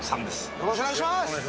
よろしくお願いします。